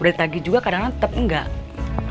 udah ditagi juga kadang tetep enggak